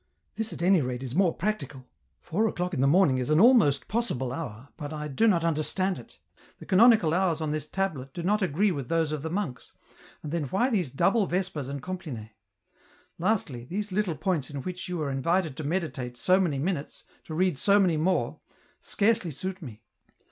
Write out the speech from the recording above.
" This at any rate is more practical — four o'clock in the morning is an almost possible hour, but I do not understand it, the canonical hours on this tablet do not agree with those of the monks, and then why these double Vespers and Complme ? Lastly, these little points in which you are invited to meditate so many minutes, to read so many more, scarcely suit me.